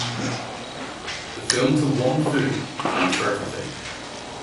The film To Wong Foo, Thanks for Everything!